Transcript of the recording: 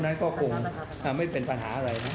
เพราะฉะนั้นคงไม่เป็นปัญหาอะไรนะครับ